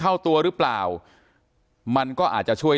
การแก้เคล็ดบางอย่างแค่นั้นเอง